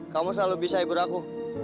kamu selalu bisa ibu aku